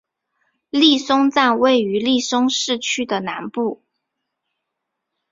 利松站位于利松市区的南部。